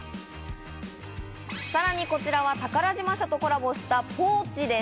さらにこちらは宝島社とコラボしたポーチです。